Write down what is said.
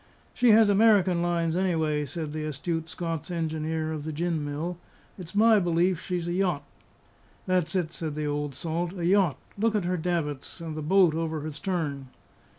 "She has American lines, anyway," said the astute Scots engineer of the gin mill; "it's my belief she's a yacht." "That's it," said the old salt, "a yacht! look at her davits, and the boat over the stern."